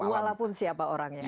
walaupun siapa orangnya